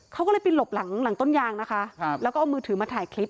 เขาก็เลยไปหลบหลังหลังต้นยางนะคะแล้วก็เอามือถือมาถ่ายคลิป